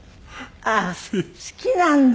ああ好きなんだ！